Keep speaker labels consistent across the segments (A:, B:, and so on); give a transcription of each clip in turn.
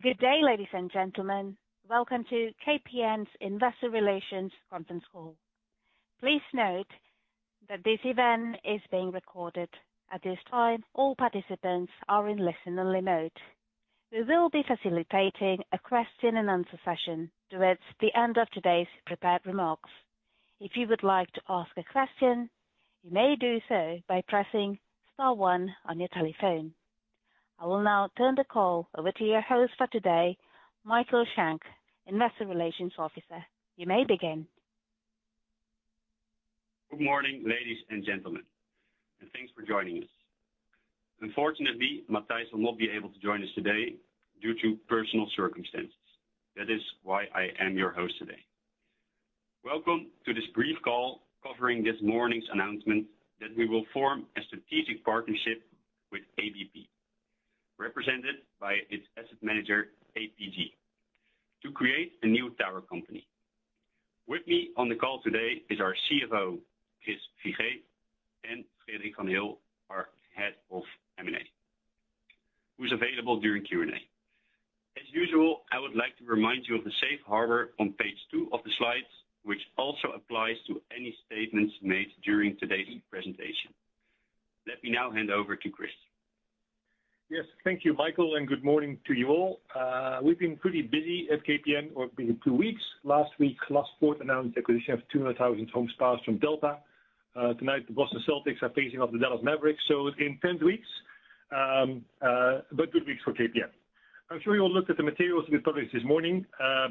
A: Good day, ladies and gentlemen. Welcome to KPN's Investor Relations Conference Call. Please note that this event is being recorded. At this time, all participants are in listen-only mode. We will be facilitating a question and answer session towards the end of today's prepared remarks. If you would like to ask a question, you may do so by pressing star one on your telephone. I will now turn the call over to your host for today, Michael Schenk, Investor Relations Officer. You may begin.
B: Good morning, ladies and gentlemen, and thanks for joining us. Unfortunately, Matthijs van Leijenhorst will not be able to join us today due to personal circumstances. That is why I am your host today. Welcome to this brief call covering this morning's announcement that we will form a strategic partnership with ABP, represented by its asset manager, APG, to create a new tower company. With me on the call today is our CFO, Chris Figee, and Frederik van Heel, our Head of M&A, who's available during Q&A. As usual, I would like to remind you of the Safe Harbor on page two of the slides, which also applies to any statements made during today's presentation. Let me now hand over to Chris.
C: Yes, thank you, Michael, and good morning to you all. We've been pretty busy at KPN over the two weeks. Last week, Glaspoort announced the acquisition of 200,000 homes passed from Delta. Tonight, the Boston Celtics are facing off the Dallas Mavericks. Intense weeks, but good weeks for KPN. I'm sure you all looked at the materials we published this morning,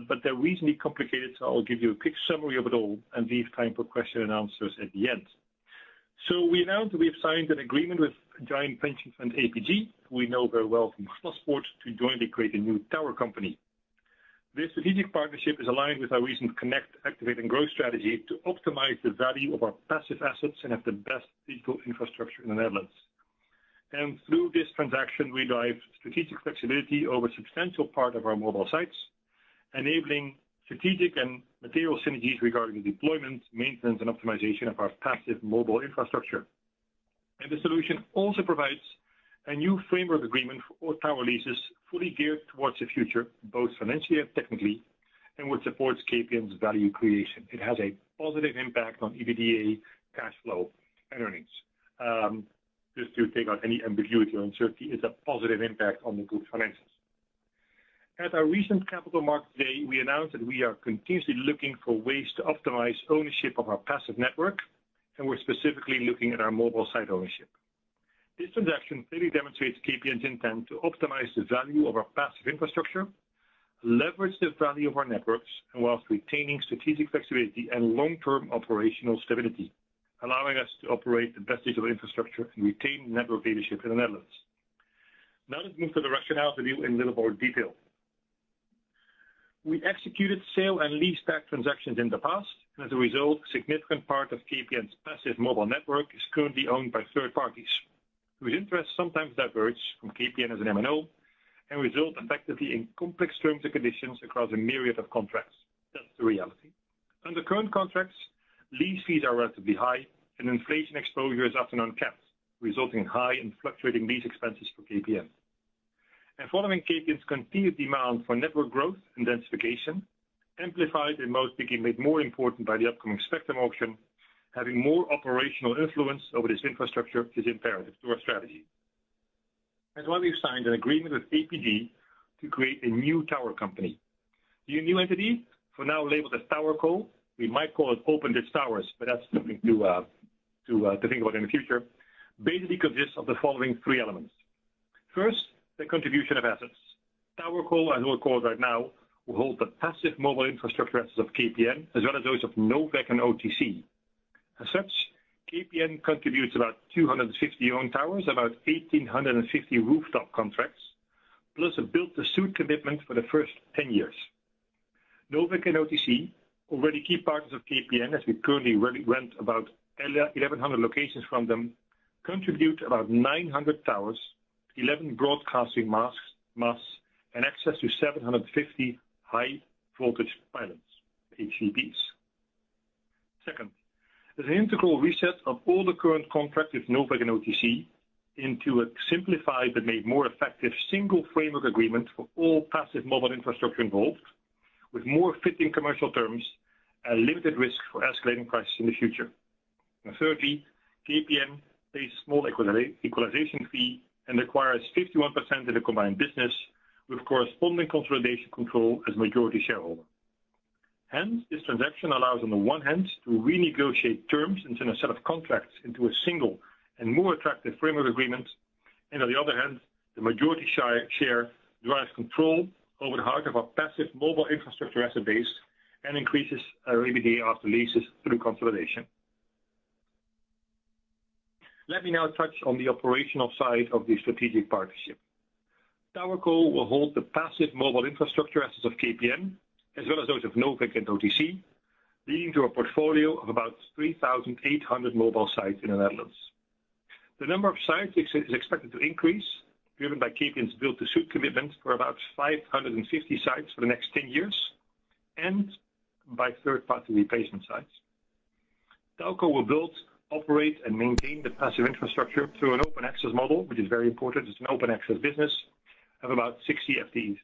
C: but they're reasonably complicated, so I'll give you a quick summary of it all and leave time for questions and answers at the end. We announced we have signed an agreement with giant pension fund, APG. We know very well from Glaspoort to jointly create a new tower company. This strategic partnership is aligned with our recent Connect, Activate & Grow strategy to optimize the value of our passive assets and have the best digital infrastructure in the Netherlands. Through this transaction, we drive strategic flexibility over a substantial part of our mobile sites, enabling strategic and material synergies regarding the deployment, maintenance, and optimization of our passive mobile infrastructure. The solution also provides a new framework agreement for all tower leases, fully geared toward the future, both financially and technically, and which supports KPN's value creation. It has a positive impact on EBITDA, cash flow, and earnings. Just to take out any ambiguity or uncertainty, it's a positive impact on the group's finances. At our recent Capital Markets Day, we announced that we are continuously looking for ways to optimize ownership of our passive network, and we're specifically looking at our mobile site ownership. This transaction clearly demonstrates KPN's intent to optimize the value of our passive infrastructure, leverage the value of our networks, and whilst retaining strategic flexibility and long-term operational stability, allowing us to operate the best digital infrastructure and retain network leadership in the Netherlands. Now, let's move to the rationale to view in a little more detail. We executed sale and leaseback transactions in the past, and as a result, a significant part of KPN's passive mobile network is currently owned by third parties, whose interests sometimes diverge from KPN as an MNO and result effectively in complex terms and conditions across a myriad of contracts. That's the reality. Under current contracts, lease fees are relatively high, and inflation exposure is often uncapped, resulting in high and fluctuating lease expenses for KPN. Following KPN's continued demand for network growth and densification, amplified and made more important by the upcoming spectrum auction, having more operational influence over this infrastructure is imperative to our strategy. That's why we've signed an agreement with APG to create a new tower company. The new entity, for now labeled as TowerCo, we might call it Open Tower Company, but that's something to think about in the future, basically consists of the following three elements. First, the contribution of assets. TowerCo, as we'll call it right now, will hold the passive mobile infrastructure assets of KPN, as well as those of NOVEC and OTC. As such, KPN contributes about 250 of our own towers, about 1,850 rooftop contracts, plus a build-to-suit commitment for the first 10 years. NOVEC and OTC, already key partners of KPN, as we currently rent about 1,100 locations from them, contribute about 900 towers, 11 broadcasting masts, and access to 750 high-voltage pylons. Second, as an integral reset of all the current contracts with NOVEC and OTC into a simplified but made more effective single framework agreement for all passive mobile infrastructure involved, with more fitting commercial terms and limited risk for escalating prices in the future. And thirdly, KPN pays a small equalization fee and acquires 51% of the combined business with corresponding consolidation control as majority shareholder. Hence, this transaction allows, on the one hand, to renegotiate terms and turn a set of contracts into a single and more attractive framework agreement. And on the other hand, the majority share, share drives control over the heart of our passive mobile infrastructure asset base and increases our EBITDA after leases through consolidation. Let me now touch on the operational side of the strategic partnership. TowerCo will hold the passive mobile infrastructure assets of KPN, as well as those of NOVEC and OTC, leading to a portfolio of about 3,800 mobile sites in the Netherlands. The number of sites is expected to increase, driven by KPN's build-to-suit commitment for about 550 sites for the next 10 years and by third-party replacement sites. TowerCo will build, operate, and maintain the passive infrastructure through an open access model, which is very important. It's an open access business of about 60 FTEs.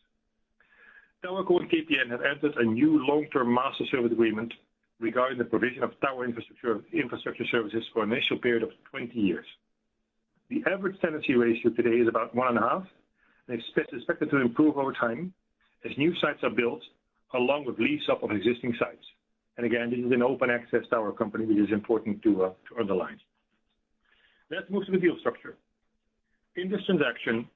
C: TowerCo and KPN have entered a new long-term master service agreement regarding the provision of tower infrastructure, infrastructure services for an initial period of 20 years. The average tenancy ratio today is about 1.5, and it's expected to improve over time as new sites are built, along with lease up on existing sites. And again, this is an open access tower company, which is important to to underline. Let's move to the deal structure. In this transaction,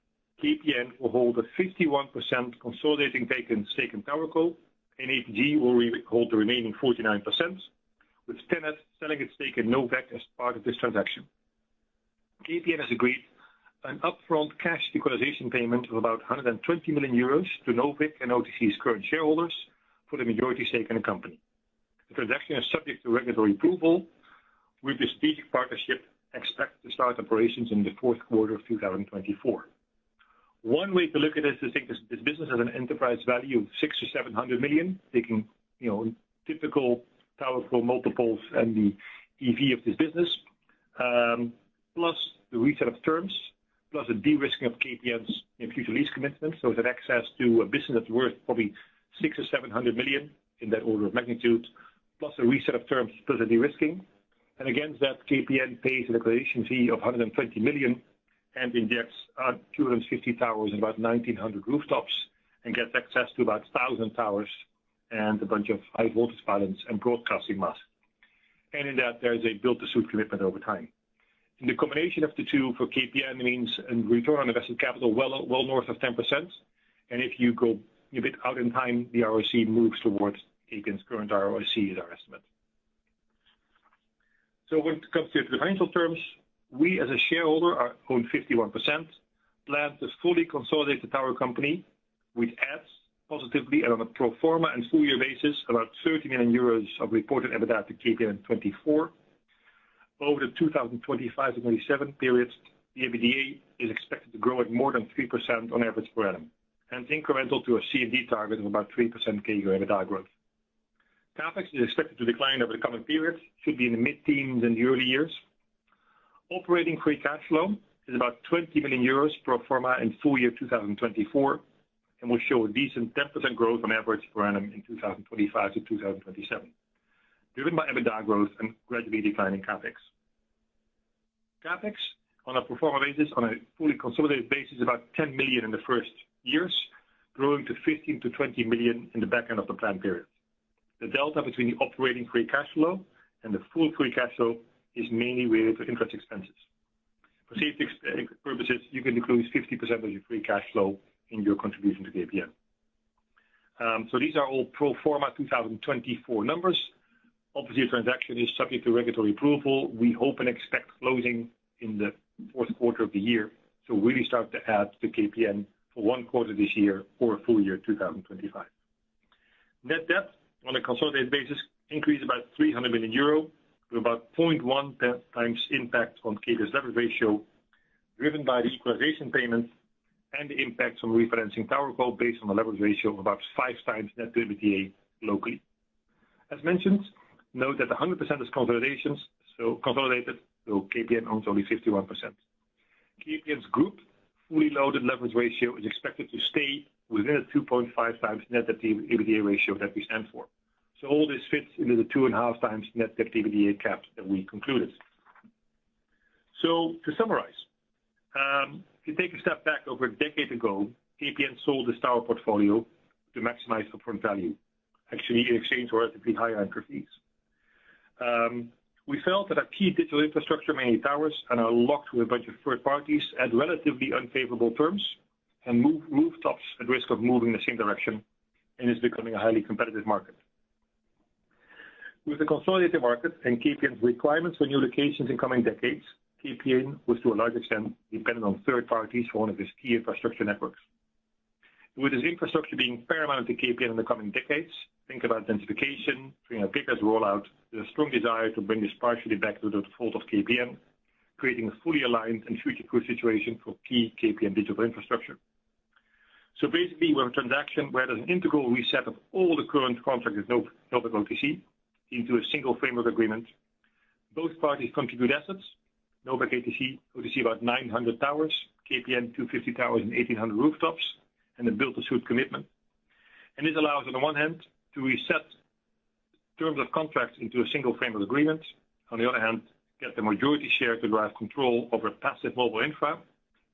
C: KPN will hold a 51% consolidating stake in TowerCo, and APG will hold the remaining 49%, with TenneT selling its stake in NOVEC as part of this transaction. KPN has agreed an upfront cash equalization payment of about 120 million euros to NOVEC and OTC's current shareholders for the majority stake in the company. The transaction is subject to regulatory approval, with the strategic partnership expected to start operations in the fourth quarter of 2024. One way to look at it is to think this: this business has an enterprise value of 600-700 million, taking, you know, typical TowerCo multiples and the EV of this business, plus the reset of terms, plus the de-risking of KPN's future lease commitments. So it's an access to a business that's worth probably 600-700 million in that order of magnitude, plus a reset of terms, plus a de-risking. And again, that KPN pays an acquisition fee of 120 million and injects 250 towers and about 1,900 rooftops, and gets access to about 1,000 towers and a bunch of high-voltage pylons and broadcasting masts. And in that, there is a build-to-suit commitment over time. And the combination of the two for KPN means a return on invested capital well, well north of 10%. And if you go a bit out in time, the ROC moves towards Aegon's current ROC is our estimate. So when it comes to the financial terms, we, as a shareholder, own 51%, plan to fully consolidate the tower company, which adds positively and on a pro forma and full year basis, about 30 million euros of reported EBITDA to KPN 2024. Over the 2025-2027 periods, the EBITDA is expected to grow at more than 3% on average per annum, and incremental to a CMD target of about 3% CAGR EBITDA growth. CapEx is expected to decline over the coming periods, should be in the mid-teens in the early years. Operating free cash flow is about 20 million euros pro forma in full year 2024, and will show a decent 10% growth on average per annum in 2025-2027, driven by EBITDA growth and gradually declining CapEx. CapEx on a pro forma basis, on a fully consolidated basis, is about 10 million in the first years, growing to 15 million-20 million in the back end of the plan period. The delta between the operating free cash flow and the full free cash flow is mainly related to interest expenses. For safety purposes, you can include 50% of your free cash flow in your contribution to KPN. So these are all pro forma 2024 numbers. Obviously, your transaction is subject to regulatory approval. We hope and expect closing in the fourth quarter of the year, so really start to add to KPN for one quarter this year or full year 2025. Net debt on a consolidated basis increased about 300 million euro to about 0.1x impact on KPN's leverage ratio, driven by the equalization payments and the impact from referencing TowerCo based on a leverage ratio of about 5x Net Adjusted EBITDA locally. As mentioned, note that 100% is consolidations, so consolidated, so KPN owns only 51%. KPN's group fully loaded leverage ratio is expected to stay within a 2.5x Net Adjusted EBITDA ratio that we stand for. So all this fits into the 2.5x Net Adjusted EBITDA cap that we concluded. So to summarize, if you take a step back, over a decade ago, KPN sold its tower portfolio to maximize upfront value, actually in exchange for relatively higher anchor fees. We felt that our key digital infrastructure, mainly towers, and are locked with a bunch of third parties at relatively unfavorable terms, and move, rooftops at risk of moving in the same direction and is becoming a highly competitive market. With the consolidated market and KPN's requirements for new locations in coming decades, KPN was, to a large extent, dependent on third parties for one of its key infrastructure networks. With this infrastructure being paramount to KPN in the coming decades, think about densification, bringing a bigger rollout, the strong desire to bring this partially back to the default of KPN, creating a fully aligned and future-proof situation for key KPN digital infrastructure. So basically, we have a transaction where there's an integral reset of all the current contracts with NOVEC and OTC into a single framework agreement. Both parties contribute assets, NOVEC OTC, OTC, about 900 towers, KPN, 250 towers and 1,800 rooftops, and a build-to-suit commitment. And this allows, on the one hand, to reset terms of contracts into a single frame of agreement. On the other hand, get the majority share to drive control over passive mobile infra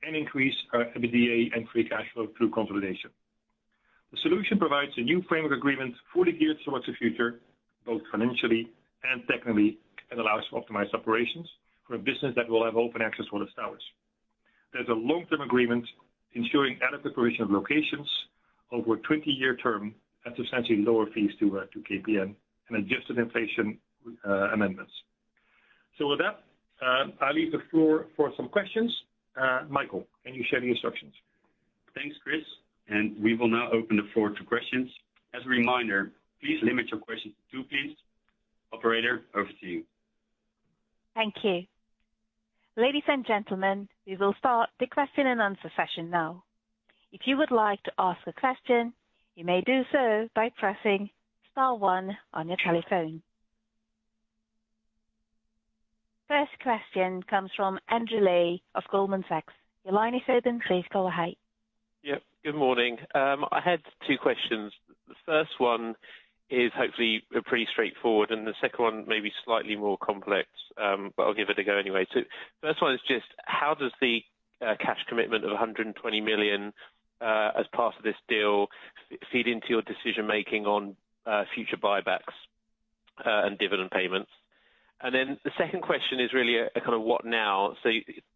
C: and increase our EBITDA and free cash flow through consolidation. The solution provides a new framework agreement fully geared towards the future, both financially and technically, and allows to optimize operations for a business that will have open access for the towers. There's a long-term agreement ensuring adequate provision of locations over a 20-year term at substantially lower fees to KPN and adjusted inflation amendments. With that, I leave the floor for some questions. Michael, can you share the instructions?
B: Thanks, Chris, and we will now open the floor to questions. As a reminder, please limit your questions to two, please. Operator, over to you.
A: Thank you. Ladies and gentlemen, we will start the question and answer session now. If you would like to ask a question, you may do so by pressing star one on your telephone. First question comes from Andrew Lee of Goldman Sachs. Your line is open. Please go ahead.
D: Yep, good morning. I had two questions. The first one is hopefully pretty straightforward, and the second one may be slightly more complex, but I'll give it a go anyway. So first one is just how does the cash commitment of 120 million as part of this deal feed into your decision-making on future buybacks and dividend payments? And then the second question is really a kind of what now? So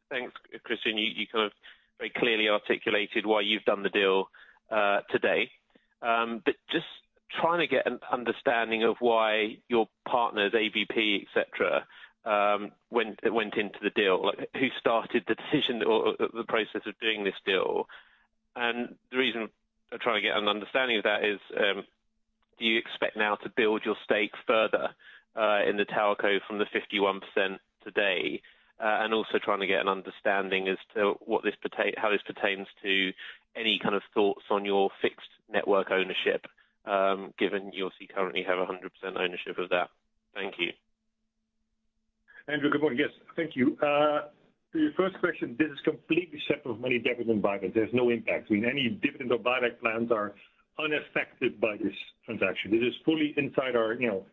D: thanks, Chris. You kind of very clearly articulated why you've done the deal today. But just trying to get an understanding of why your partners, APG, et cetera, went into the deal. Like, who started the decision or the process of doing this deal? The reason I'm trying to get an understanding of that is, do you expect now to build your stake further in the telco from the 51% today? And also trying to get an understanding as to how this pertains to any kind of thoughts on your fixed network ownership, given you obviously currently have 100% ownership of that. Thank you.
C: Andrew, good morning. Yes. Thank you. To your first question, this is completely separate from any dividend buyback. There's no impact. I mean, any dividend or buyback plans are unaffected by this transaction. This is fully inside our, you know,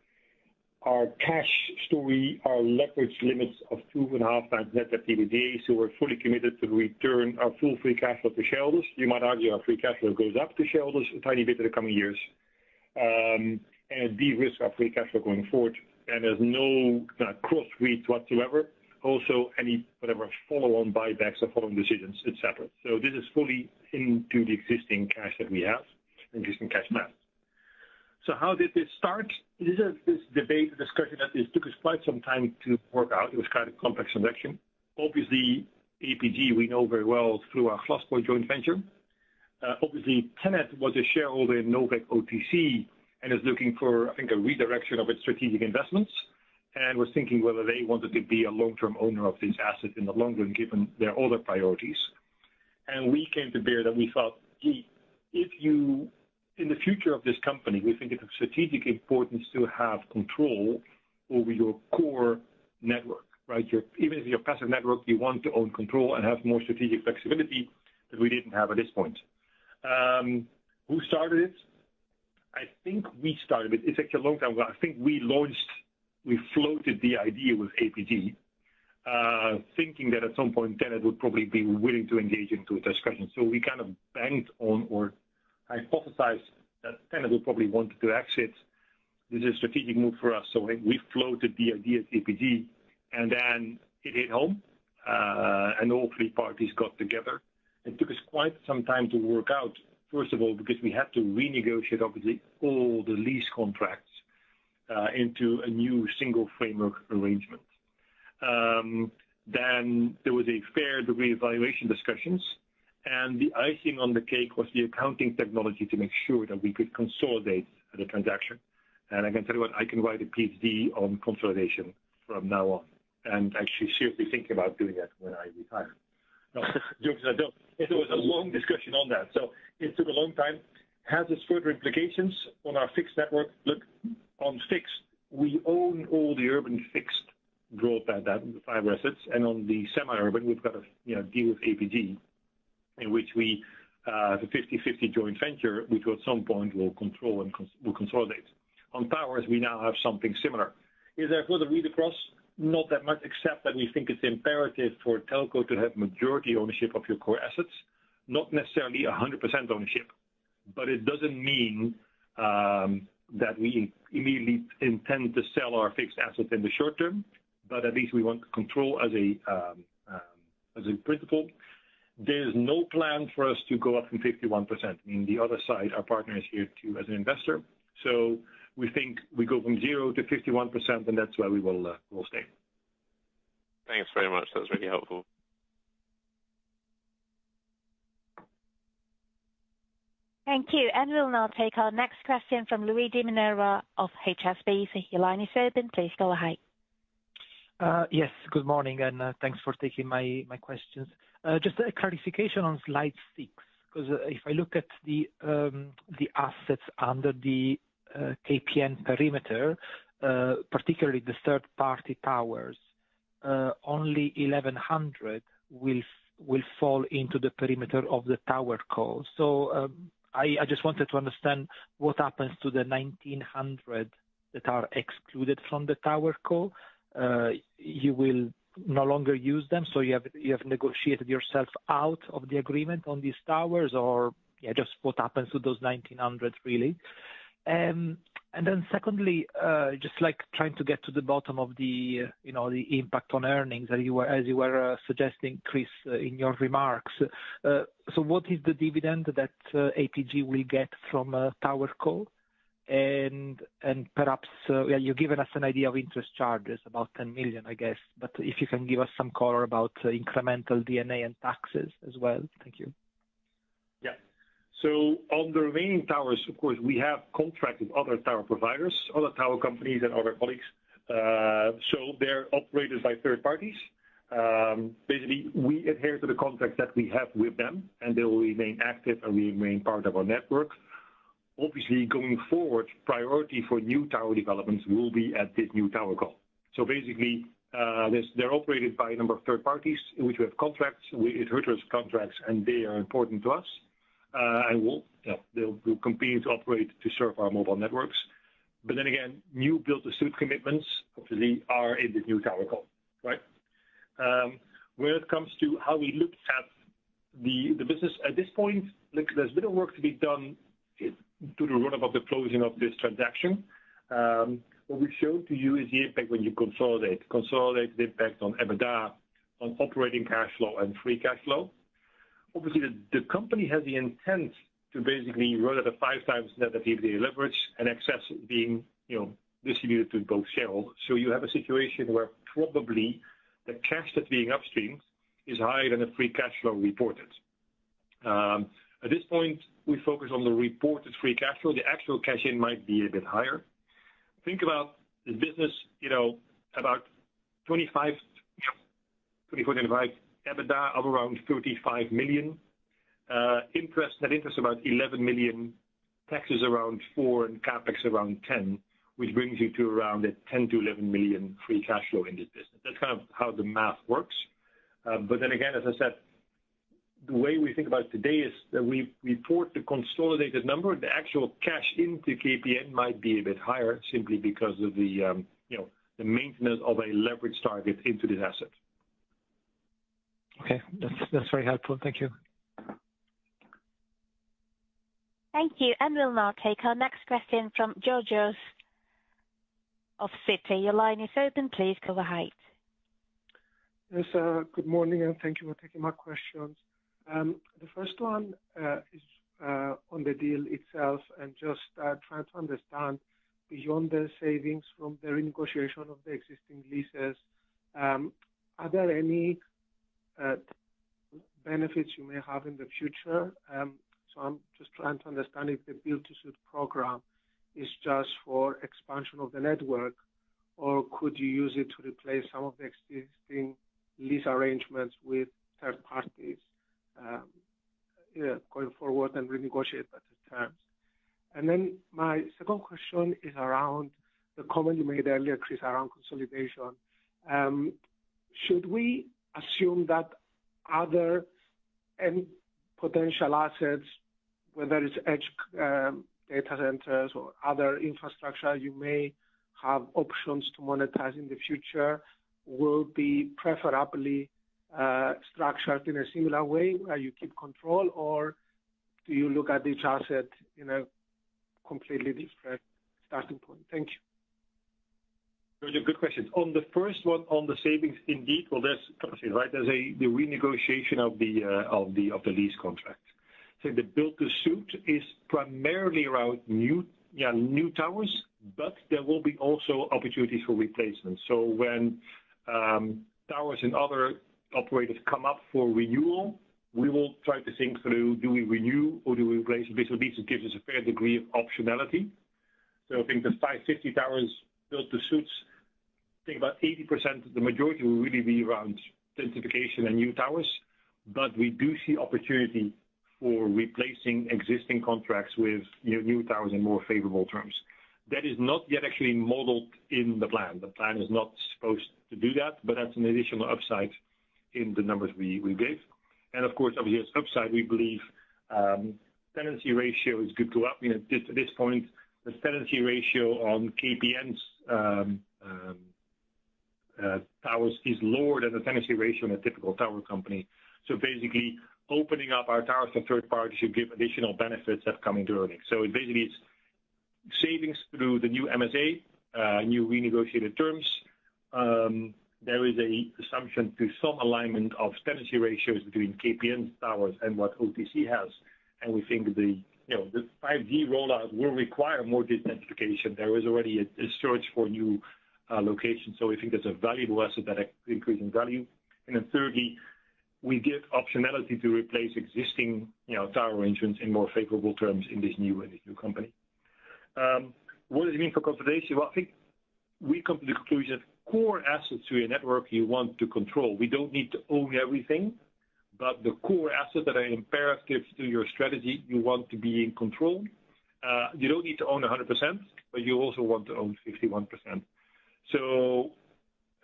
C: our cash story, our leverage limits of 2.5x Net FRBD. So we're fully committed to return our full free cash flow to shareholders. You might argue our free cash flow goes up to shareholders a tiny bit in the coming years. And de-risk our free cash flow going forward, and there's no cross read whatsoever. Also, any whatever follow-on buybacks or follow-on decisions, et cetera. So this is fully into the existing cash that we have, existing cash flow. So how did this start? This is, this debate, discussion that this took us quite some time to work out. It was quite a complex transaction. Obviously, APG, we know very well through our Glaspoort joint venture. Obviously, TenneT was a shareholder in NOVEC OTC, and is looking for, I think, a redirection of its strategic investments, and was thinking whether they wanted to be a long-term owner of this asset in the long run, given their other priorities. And we came to bear that we thought, gee, if you, in the future of this company, we think it's of strategic importance to have control over your core network, right? Your, even if your passive network, you want to own control and have more strategic flexibility that we didn't have at this point. Who started it? I think we started it. It's actually a long time ago. I think we launched, we floated the idea with APG, thinking that at some point, TenneT would probably be willing to engage in a discussion. So we kind of banked on or hypothesized that TenneT would probably want to exit. This is a strategic move for us, so we floated the idea at APG, and then it hit home, and all three parties got together. It took us quite some time to work out, first of all, because we had to renegotiate, obviously, all the lease contracts into a new single framework arrangement. Then there was a fair degree of valuation discussions, and the icing on the cake was the accounting treatment to make sure that we could consolidate the transaction. I can tell you what, I can write a Ph.D. on consolidation from now on, and actually seriously thinking about doing that when I retire. No, jokes I don't. It was a long discussion on that, so it took a long time. Has this further implications on our fixed network? Look, on fixed, we own all the urban fixed broadband fiber assets, and on the semi-urban we've got a, you know, deal with APG, in which we have a 50/50 joint venture, which at some point we'll control and we'll consolidate. On towers, we now have something similar. Is there further read-across? Not that much, except that we think it's imperative for telco to have majority ownership of your core assets. Not necessarily 100% ownership, but it doesn't mean that we immediately intend to sell our fixed assets in the short term, but at least we want control as a principle. There is no plan for us to go up from 51%. I mean, the other side, our partner is here, too, as an investor, so we think we go from 0%-51%, and that's where we will stay.
D: Thanks very much. That's really helpful.
A: Thank you. And we'll now take our next question from Luigi Minerva of HSBC. Your line is open, please go ahead.
E: Yes, good morning, and thanks for taking my questions. Just a clarification on slide 6, 'cause if I look at the assets under the KPN perimeter, particularly the third-party towers, only 1,100 will fall into the perimeter of the tower co. So, I just wanted to understand what happens to the 1,900 that are excluded from the tower co. You will no longer use them, so you have negotiated yourself out of the agreement on these towers or, yeah, just what happens to those 1,900, really? And then secondly, just, like, trying to get to the bottom of the, you know, the impact on earnings as you were suggesting, Chris, in your remarks. So what is the dividend that APG will get from tower co? And perhaps you've given us an idea of interest charges, about 10 million, I guess, but if you can give us some color about incremental EBITDA and taxes as well. Thank you.
C: Yeah. So on the remaining towers, of course, we have contracted other tower providers, other tower companies, and other colleagues. So they're operated by third parties. Basically, we adhere to the contract that we have with them, and they will remain active and remain part of our network. Obviously, going forward, priority for new tower developments will be at this new TowerCo. So basically, this, they're operated by a number of third parties in which we have contracts. We entered those contracts, and they are important to us. And we'll, yeah, they'll continue to operate to serve our mobile networks. But then again, new build-to-suit commitments, obviously, are in the new TowerCo, right? When it comes to how we look at the business at this point, look, there's a bit of work to be done to the run-up of the closing of this transaction. What we showed to you is the impact when you consolidate. Consolidation the impact on EBITDA, on operating cash flow and free cash flow. Obviously, the company has the intent to basically run at a 5x net debt leverage and excess being, you know, distributed to both shareholders. So you have a situation where probably the cash that's being upstreamed is higher than the free cash flow reported. At this point, we focus on the reported free cash flow. The actual cash in might be a bit higher. Think about the business, you know, about 24-25, EBITDA of around 35 million. Interest, net interest, about 11 million, taxes around 4 million, and CapEx around 10 million, which brings you to around 10 million-11 million free cash flow in this business. That's kind of how the math works. But then again, as I said, the way we think about it today is that we report the consolidated number. The actual cash into KPN might be a bit higher simply because of the, you know, the maintenance of a leverage target into this asset.
E: Okay. That's, that's very helpful. Thank you.
A: Thank you. And we'll now take our next question from Georgios of Citi. Your line is open. Please go ahead.
F: Yes, good morning, and thank you for taking my questions. The first one is on the deal itself and just trying to understand beyond the savings from the renegotiation of the existing leases, are there any benefits you may have in the future? So I'm just trying to understand if the build-to-suit program is just for expansion of the network, or could you use it to replace some of the existing lease arrangements with third parties, yeah, going forward and renegotiate better terms? And then my second question is around the comment you made earlier, Chris, around consolidation. Should we assume that other, any potential assets, whether it's edge, data centers or other infrastructure, you may have options to monetize in the future, will be preferably, structured in a similar way, where you keep control, or do you look at each asset in a completely different starting point? Thank you.
C: Georgios, good questions. On the first one, on the savings, indeed, well, that's right. There's the renegotiation of the lease contract. So the build-to-suit is primarily around new, yeah, new towers, but there will be also opportunities for replacement. So when towers and other operators come up for renewal, we will try to think through, do we renew or do we replace? Basically, this gives us a fair degree of optionality. So I think the 550 towers, build-to-suits, I think about 80%, the majority will really be around densification and new towers. But we do see opportunity for replacing existing contracts with new, new towers and more favorable terms. That is not yet actually modeled in the plan. The plan is not supposed to do that, but that's an additional upside in the numbers we, we gave. Of course, obviously, as upside, we believe, tenancy ratio is good to up. You know, to this point, the tenancy ratio on KPN's towers is lower than the tenancy ratio in a typical tower company. So basically, opening up our towers to third parties should give additional benefits that come into earnings. So basically, it's savings through the new MSA, new renegotiated terms. There is a assumption to some alignment of tenancy ratios between KPN towers and what OTC has. And we think the, you know, the 5G rollout will require more densification. There is already a search for new locations, so we think that's a valuable asset that increase in value. And then thirdly, we give optionality to replace existing, you know, tower arrangements in more favorable terms in this new company. What does it mean for consolidation? Well, I think we come to the conclusion, core assets to your network you want to control. We don't need to own everything, but the core assets that are imperative to your strategy, you want to be in control. You don't need to own 100%, but you also want to own 51%. So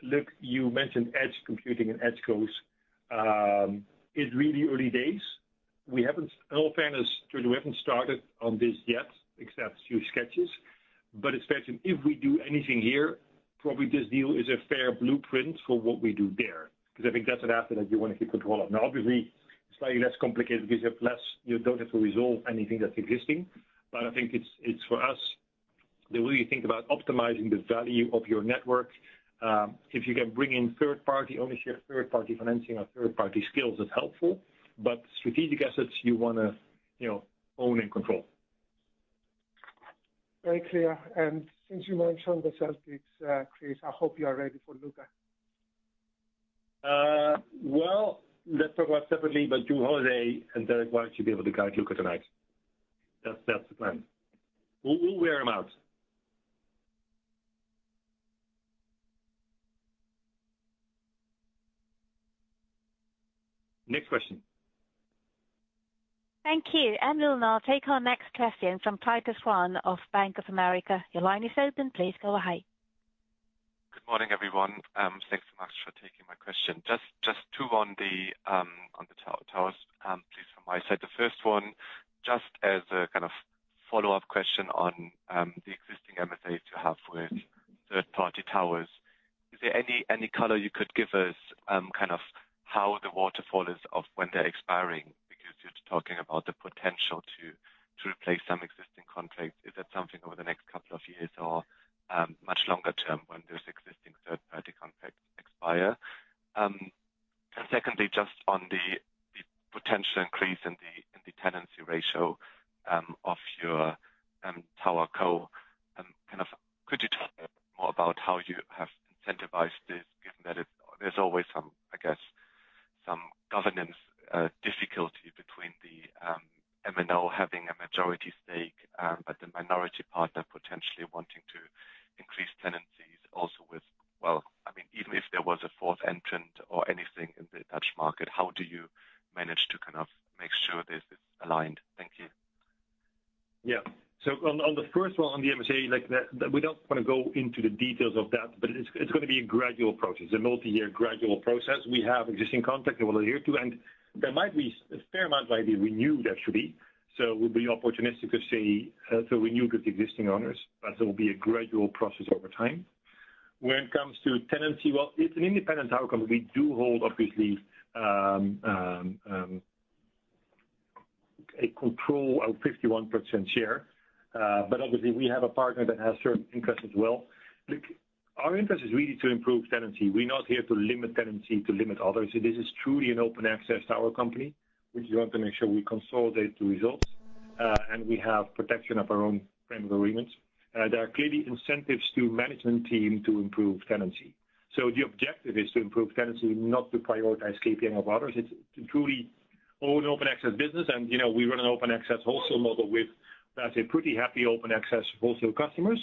C: look, you mentioned edge computing and EdgeCos. It's really early days. We haven't, in all fairness, we haven't started on this yet, except a few sketches. But it's fair to say, if we do anything here, probably this deal is a fair blueprint for what we do there, because I think that's an asset that you want to keep control of. Now, obviously, slightly less complicated because you have less, you don't have to resolve anything that's existing. But I think it's, it's for us, the way you think about optimizing the value of your network, if you can bring in third-party ownership, third-party financing, or third-party skills, it's helpful, but strategic assets you wanna, you know, own and control.
F: Very clear. And since you mentioned the Celtics, Chris, I hope you are ready for Luka.
C: Well, let's talk about separately, but Jrue Holiday and Derrick White should be able to guard Luka tonight. That's, that's the plan. We'll, we'll wear him out. Next question.
A: Thank you. We'll now take our next question from Titus Krahn of Bank of America. Your line is open. Please go ahead.
G: Good morning, everyone. Thanks so much for taking my question. Just two on the towers, please from my side. The first one, just as a kind of follow-up question on the existing MFAs you have with third-party towers. Is there any color you could give us kind of how the waterfall is of when they're expiring? Because you're talking about the potential to replace some existing contracts. Is that something over the next couple of years or much longer term when this existing third-party contracts expire? And secondly, just on the potential increase in the tenancy ratio of your tower co. Kind of, could you talk more about how you have incentivized this, given that there's always some, I guess, governance difficulty between the MNO having a majority stake, but the minority partner potentially wanting to increase tenancies also with. Well, I mean, even if there was a fourth entrant or anything in the Dutch market, how do you manage to kind of make sure this is aligned? Thank you.
C: Yeah. So on the first one, on the MSA, like, we don't wanna go into the details of that, but it's gonna be a gradual process, a multi-year gradual process. We have existing contract that we'll adhere to, and there might be a fair amount might be renewed, actually. So we'll be opportunistic to see to renew with existing owners, but it will be a gradual process over time. When it comes to tenancy, well, it's an independent outcome. We do hold, obviously, a control of 51% share. But obviously, we have a partner that has certain interests as well. Look, our interest is really to improve tenancy. We're not here to limit tenancy, to limit others. So this is truly an open access to our company. We just want to make sure we consolidate the results, and we have protection of our own frame of agreements. There are clearly incentives to management team to improve tenancy. So the objective is to improve tenancy, not to prioritize KPN of others. It's to truly own open access business, and, you know, we run an open access wholesale model with, let's say, pretty happy open access wholesale customers.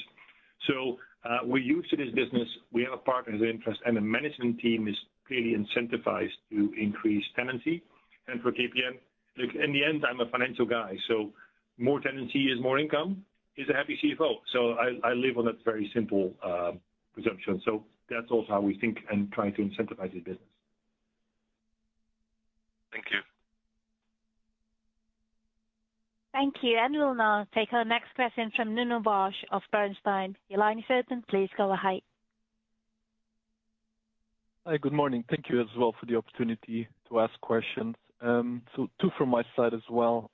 C: So, we're used to this business, we have a partner's interest, and the management team is clearly incentivized to increase tenancy. And for KPN, look, in the end, I'm a financial guy, so more tenancy is more income, is a happy CFO. So I, I live on that very simple, presumption. So that's also how we think and try to incentivize this business.
G: Thank you.
A: Thank you. We'll now take our next question from Nuno Vaz of Bernstein. Your line is open. Please go ahead.
H: Hi, good morning. Thank you as well for the opportunity to ask questions. So two from my side as well.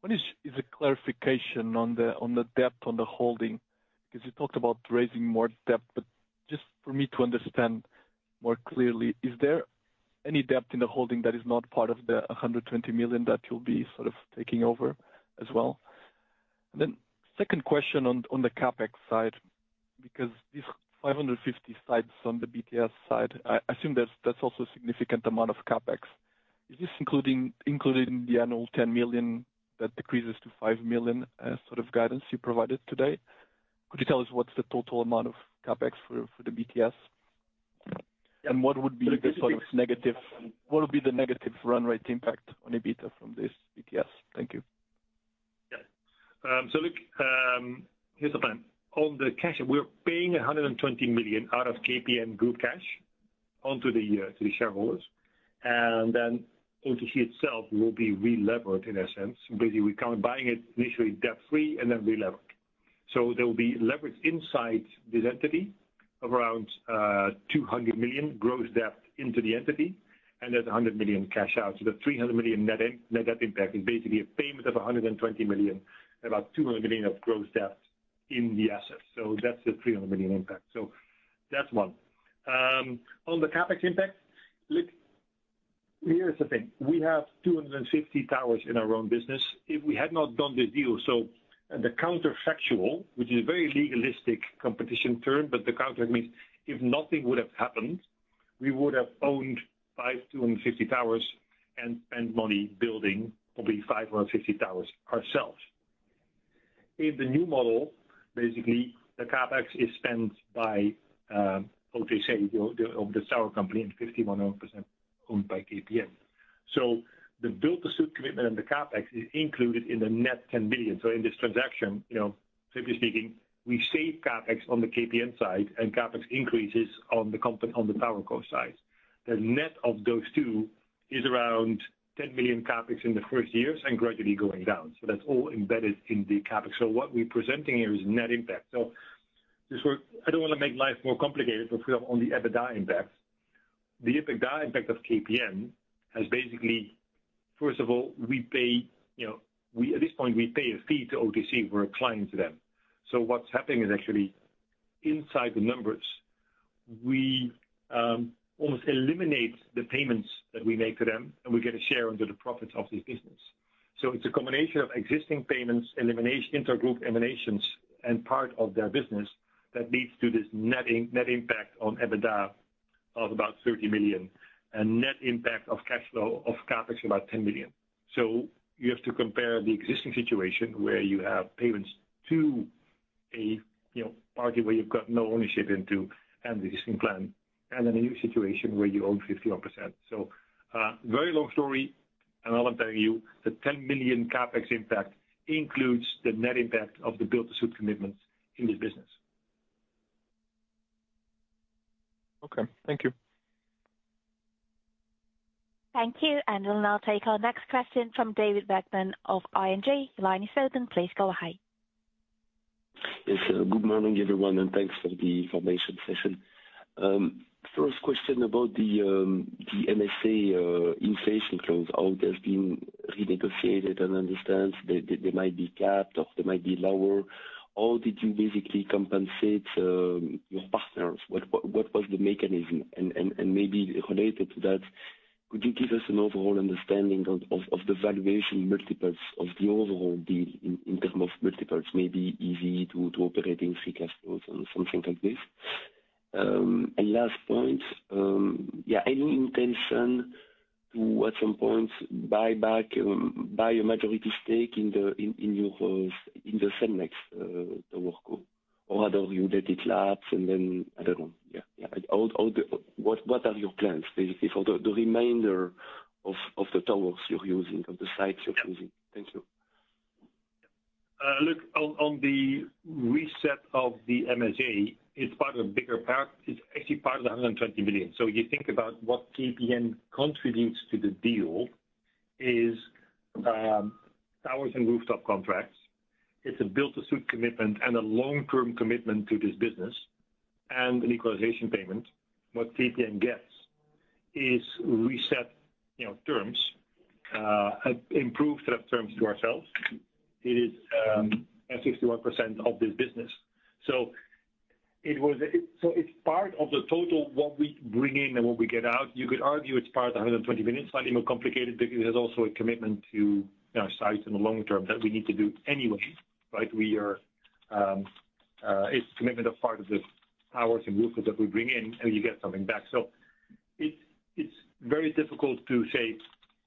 H: One is a clarification on the debt on the holding, because you talked about raising more debt, but just for me to understand more clearly, is there any debt in the holding that is not part of the 120 million that you'll be sort of taking over as well? And then second question on the CapEx side, because these 550 sites on the BTS side, I assume that's also a significant amount of CapEx. Is this including the annual 10 million that decreases to 5 million sort of guidance you provided today? Could you tell us what's the total amount of CapEx for the BTS?
C: Yeah.
H: And what would be the sort of negative run rate impact on EBITDA from this BTS? Thank you.
C: Yeah. So look, here's the plan. On the cash, we're paying 120 million out of KPN group cash to the shareholders, and then OTC itself will be relevered, in a sense. Basically, we're kind of buying it initially debt-free and then relevered. So there will be leverage inside this entity of around 200 million gross debt into the entity, and there's 100 million cash out. So the 300 million net debt impact is basically a payment of 120 million, about 200 million of gross debt in the assets. So that's the 300 million impact. So that's one. On the CapEx impact, look, here's the thing: We have 250 towers in our own business. If we had not done this deal, so the counterfactual, which is a very legalistic competition term, but the counter means if nothing would have happened, we would have owned 5-250 towers and spent money building probably 550 towers ourselves. In the new model, basically, the CapEx is spent by OTC, the tower company, and 51% owned by KPN. So the build-to-suit commitment and the CapEx is included in the net 10 billion. So in this transaction, you know, simply speaking, we save CapEx on the KPN side and CapEx increases on the company- on the tower co side. The net of those two is around 10 billion CapEx in the first years and gradually going down. So that's all embedded in the CapEx. So what we're presenting here is net impact. So just work. I don't wanna make life more complicated, but we have on the EBITDA impact. The EBITDA impact of KPN has basically, first of all, we pay, you know, we, at this point, we pay a fee to OTC. We're a client to them. So what's happening is actually inside the numbers we almost eliminate the payments that we make to them, and we get a share into the profits of the business. So it's a combination of existing payments, elimination, intergroup eliminations, and part of their business that leads to this net impact on EBITDA of about 30 million, and net impact of cash flow of CapEx about 10 million. So you have to compare the existing situation, where you have payments, to a, you know, party where you've got no ownership into and the existing plan, and then a new situation where you own 51%. Very long story, and all I'm telling you, the 10 million CapEx impact includes the net impact of the build-to-suit commitments in this business.
H: Okay, thank you.
A: Thank you. And we'll now take our next question from David Vagman of ING. Line is open. Please go ahead.
I: Yes, good morning, everyone, and thanks for the information session. First question about the, the MSA, inflation clause, how it has been renegotiated. I understand they, they might be capped, or they might be lower. How did you basically compensate, your partners? What, what, what was the mechanism? And, and, and maybe related to that, could you give us an overall understanding of, of, of the valuation multiples of the overall deal in, in terms of multiples, maybe EV to, to operating free cash flows and something like this? And last point, yeah, any intention to, at some point, buy back, buy a majority stake in the, in, in your, in the Cellnex, framework or whether you let it lapse, and then, I don't know. Yeah, yeah. What are your plans for the remainder of the towers you're using, of the sites you're using? Thank you.
C: Look, on the reset of the MSA, it's part of a bigger pack. It's actually part of the 120 million. So you think about what KPN contributes to the deal is towers and rooftop contracts. It's a build-to-suit commitment and a long-term commitment to this business, and an equalization payment. What KPN gets is reset, you know, terms, improved set of terms to ourselves. It is at 61% of this business. So it was, so it's part of the total, what we bring in and what we get out. You could argue it's part of the 120 million, slightly more complicated, because there's also a commitment to, you know, sites in the long term that we need to do anyway, right? We are, it's a commitment of part of the towers and rooftops that we bring in, and you get something back. So it's very difficult to say,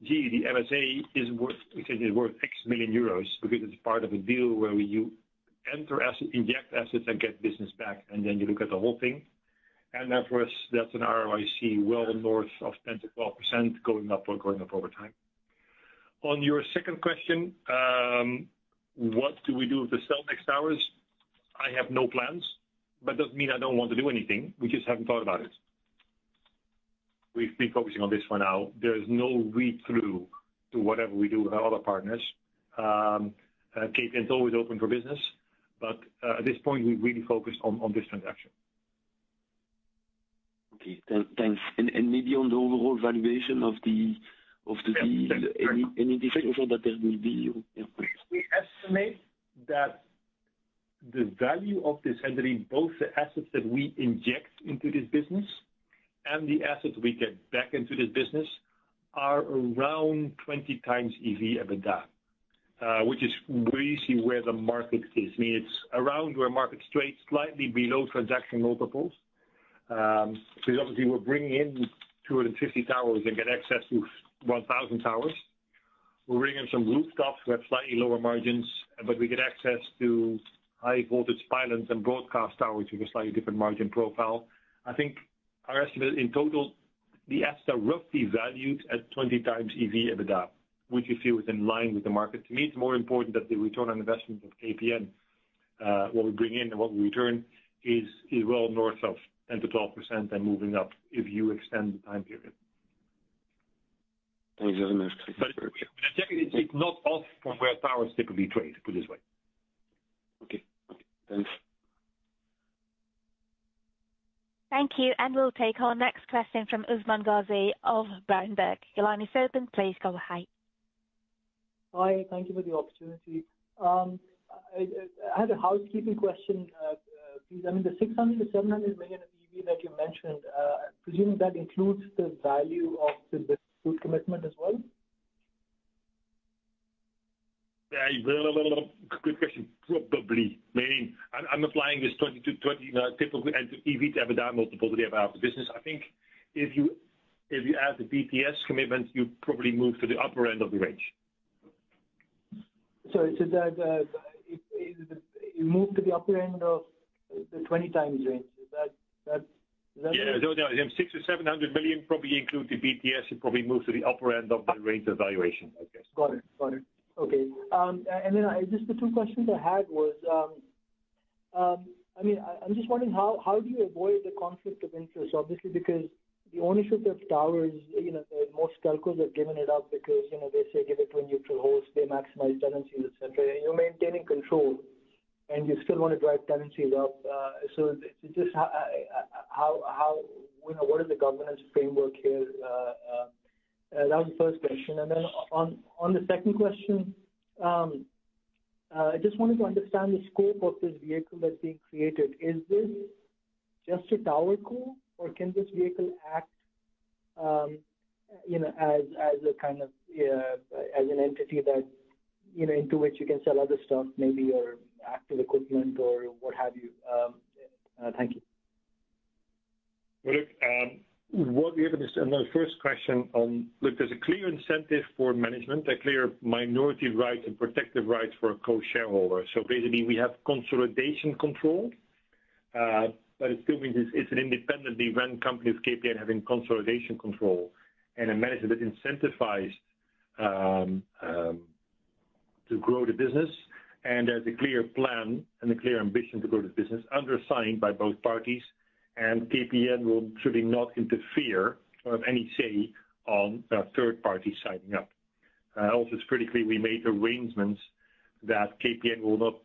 C: "Gee, the MSA is worth EUR X million," because it's part of a deal where you inject assets and get business back, and then you look at the whole thing. And that, for us, that's an ROIC well north of 10%-12%, going up over time. On your second question, what do we do with the Cellnex towers? I have no plans, but doesn't mean I don't want to do anything. We just haven't thought about it. We've been focusing on this for now. There is no read-through to whatever we do with our other partners. KPN is always open for business, but at this point, we're really focused on this transaction.
I: Okay. Thanks. And maybe on the overall valuation of the deal, any detail that there will be?
C: We estimate that the value of this, and in both the assets that we inject into this business and the assets we get back into this business, are around 20x EV EBITDA, which is basically where the market is. I mean, it's around where market trades, slightly below transaction multiples. So obviously, we're bringing in 250 towers and get access to 1,000 towers. We're bringing in some rooftops, who have slightly lower margins, but we get access to high-voltage pylons and broadcast towers with a slightly different margin profile. I think our estimate in total, the assets are roughly valued at 20x EV EBITDA, which we feel is in line with the market. To me, it's more important that the return on investment of KPN, what we bring in and what we return, is well north of 10%-12% and moving up, if you extend the time period.
I: Thanks.
C: It's not off from where towers typically trade, put it this way.
I: Okay. Okay, thanks.
A: Thank you, and we'll take our next question from Usman Ghazi of Berenberg. Your line is open. Please go ahead.
J: Hi, thank you for the opportunity. I had a housekeeping question, please. I mean, the 600-700 million of EV that you mentioned, I presume that includes the value of the build-to-suit commitment as well?
C: Yeah, good question. Probably. Meaning, I'm, I'm applying this 20x-20x typically, and to EV/EBITDA multiple that we have as a business. I think if you, if you add the BTS commitment, you probably move to the upper end of the range.
J: So you said that it moved to the upper end of the 20x range. Is that-
C: Yeah. The 600-700 million probably include the BTS. It probably moves to the upper end of the range of valuation, I guess.
J: Got it. Got it. Okay. And then I, just the two questions I had was, I mean, I'm just wondering how, how do you avoid the conflict of interest? Obviously, because the ownership of towers, you know, most telcos have given it up because, you know, they say give it to a neutral host, they maximize tenancies, et cetera. You're maintaining control, and you still want to drive tenancies up. So just how, how, you know, what is the governance framework here? That was the first question. And then on, on the second question, I just wanted to understand the scope of this vehicle that's being created. Is this just a tower co, or can this vehicle act, you know, as, as a kind of, as an entity that, you know, into which you can sell other stuff, maybe, or active equipment, or what have you? Thank you.
C: Well, look, what we have is, on the first question, look, there's a clear incentive for management, a clear minority rights and protective rights for a co-shareholder. So basically, we have consolidation control. But it still means it's, it's an independently run company with KPN having consolidation control and a management that incentivized, to grow the business. And there's a clear plan and a clear ambition to grow the business, undersigned by both parties, and KPN will surely not interfere or have any say on, third party signing up. Also, it's critically, we made arrangements that KPN will not,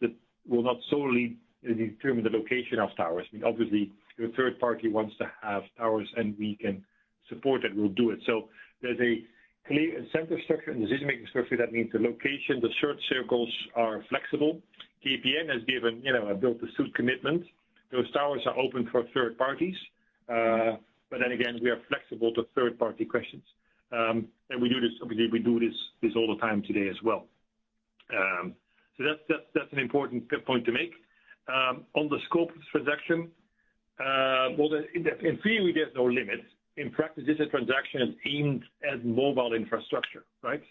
C: will not solely determine the location of towers. I mean, obviously, the third party wants to have towers, and we can support it, we'll do it. So there's a clear incentive structure and decision-making structure. That means the location, the search circles are flexible. KPN has given, you know, a build-to-suit commitment. Those towers are open for third parties. But then again, we are flexible to third-party questions. And we do this, obviously, we do this all the time today as well. So that's an important point to make. On the scope of this transaction, well, in theory, there's no limits. In practice, this is a transaction that's aimed at mobile infrastructure, right?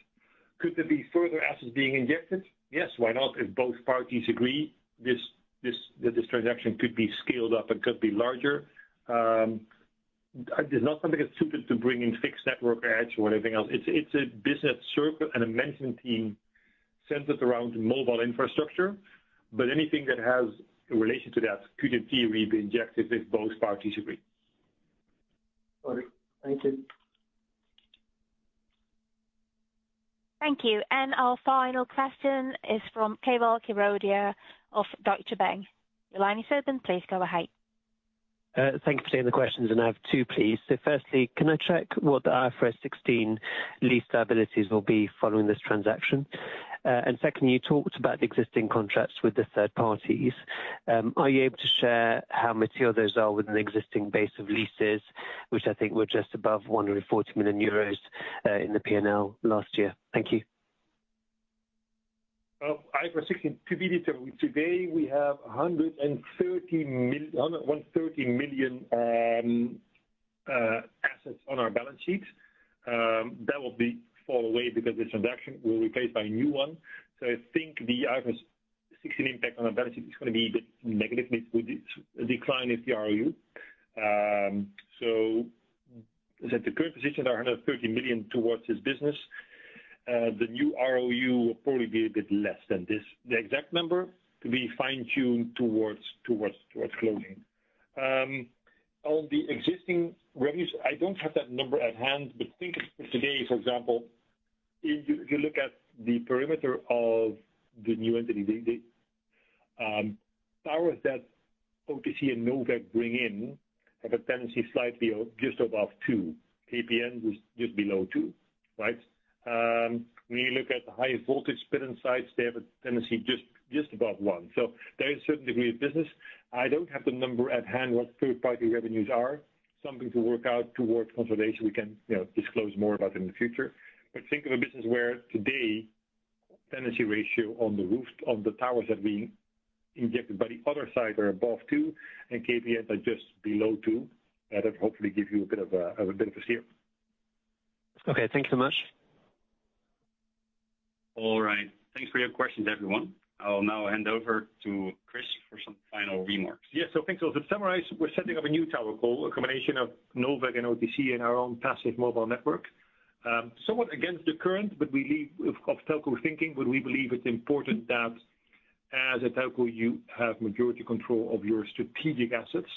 C: Could there be further assets being injected? Yes, why not? If both parties agree, this transaction could be scaled up and could be larger. It's not something that's suited to bring in fixed network edge or anything else. It's a business circle and a management team centered around mobile infrastructure, but anything that has a relation to that could, in theory, be injected if both parties agree.
J: Got it. Thank you.
A: Thank you. Our final question is from Keval Khiroya of Deutsche Bank. Your line is open. Please go ahead.
K: Thank you for taking the questions, and I have two, please. So firstly, can I check what the IFRS 16 lease liabilities will be following this transaction? And secondly, you talked about the existing contracts with the third parties. Are you able to share how material those are with an existing base of leases, which I think were just above 140 million euros, in the P&L last year? Thank you.
C: Well, IFRS 16, to be determined. Today, we have 130 million assets on our balance sheets. That will fall away because this transaction will be replaced by a new one. So I think the IFRS 16 impact on our balance sheet is gonna be a bit negatively with the decline in the ROU. So at the current position, there are 130 million towards this business. The new ROU will probably be a bit less than this. The exact number to be fine-tuned towards closing. On the existing revenues, I don't have that number at hand, but think of today, for example, if you look at the perimeter of the new entity, the towers that OTC and NOVEC bring in have a tenancy slightly just above two. KPN was just below 2, right? When you look at the high-voltage pylons inside, they have a tenancy just above 1. So there is a certain degree of business. I don't have the number at hand, what third-party revenues are. Something to work out towards consolidation. We can, you know, disclose more about in the future. But think of a business where today, tenancy ratio on the roof of the towers that we injected by the other side are above 2, and KPN are just below 2. That'll hopefully give you a bit of a better view.
K: Okay, thank you so much.
B: All right. Thanks for your questions, everyone. I'll now hand over to Chris for some final remarks.
C: Yes, so thanks. So to summarize, we're setting up a new TowerCo, a combination of NOVEC and OTC and our own passive mobile network. Somewhat against the current, but we leave the telco thinking, but we believe it's important that as a telco, you have majority control of your strategic assets.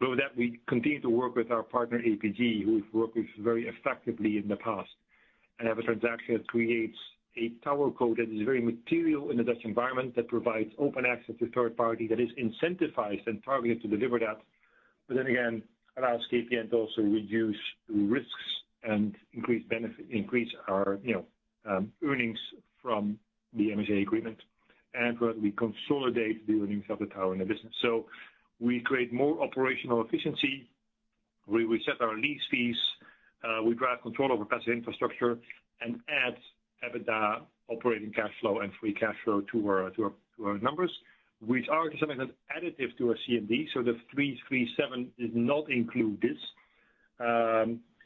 C: So with that, we continue to work with our partner, APG, who we've worked with very effectively in the past, and have a transaction that creates a tower co that is very material in the Dutch environment, that provides open access to third party, that is incentivized and targeted to deliver that. But then again, allows KPN to also reduce risks and increase benefit, increase our, you know, earnings from the MSA agreement, and where we consolidate the earnings of the tower in the business. So we create more operational efficiency, we set our lease fees, we drive control over passive infrastructure and add EBITDA operating cash flow and free cash flow to our numbers, which are to some extent, additive to our CMD. So the 337 does not include this.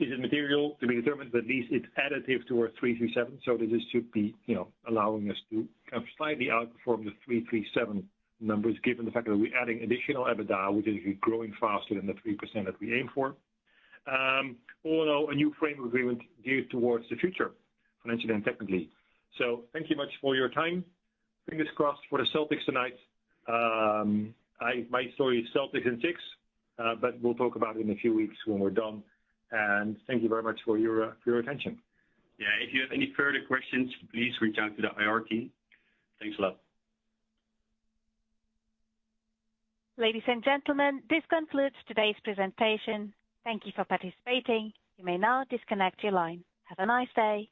C: Is it material? To be determined, but at least it's additive to our 337. So this should be, you know, allowing us to slightly outperform the 337 numbers, given the fact that we're adding additional EBITDA, which is growing faster than the 3% that we aim for. All in all, a new framework agreement geared towards the future, financially and technically. So thank you much for your time. Fingers crossed for the Celtics tonight. My story is Celtics in six, but we'll talk about it in a few weeks when we're done. Thank you very much for your attention.
B: Yeah, if you have any further questions, please reach out to the IR team. Thanks a lot.
A: Ladies and gentlemen, this concludes today's presentation. Thank you for participating. You may now disconnect your line. Have a nice day.